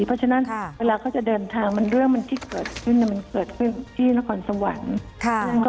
เพราะฉะนั้นเวลาเขาจะเดินทางมันเรื่องมันที่เกิดขึ้นมันเกิดขึ้นที่นครสวรรค์